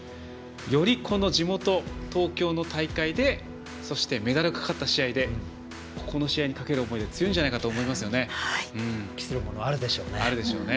より地元・東京の大会でそしてメダルがかかった試合でここの試合にかける思いは強いんじゃないかと思いますね。